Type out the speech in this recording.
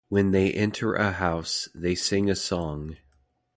When they enter a house, they sing a song.